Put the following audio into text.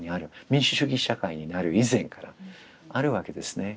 民主主義社会になる以前からあるわけですね。